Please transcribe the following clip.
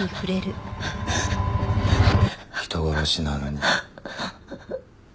人殺しなのに。